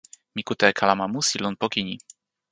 mi kute e kalama musi lon poki ni.